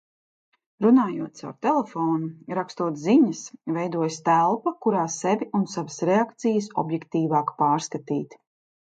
Runājot caur telefonu, rakstot ziņas, veidojas telpa, kurā sevi un savas reakcijas objektīvāk pārskatīt.